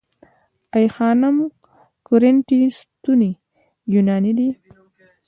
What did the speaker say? د آی خانم کورینتی ستونې یوناني دي